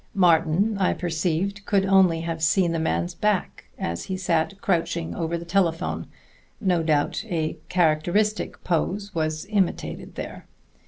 Martin, I perceived, could only have seen the man's back, as he sat crouching over the telephone; no doubt a characteristic pose was imitated there.